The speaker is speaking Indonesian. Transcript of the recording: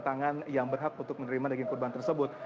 tangan yang berhak untuk menerima daging kurban tersebut